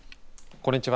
こんにちは。